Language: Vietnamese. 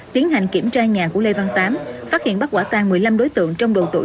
tiến hành kiểm tra nhà của lê văn tám phát hiện bắt quả tan một mươi năm đối tượng trong độ tuổi